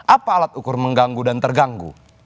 apa alat ukur mengganggu dan terganggu